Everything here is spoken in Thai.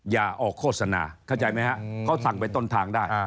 อย่าออกโฆษณาเข้าใจไหมฮะเขาสั่งไปต้นทางได้